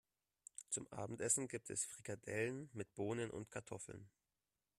Zum Abendessen gibt es Frikadellen mit Bohnen und Kartoffeln.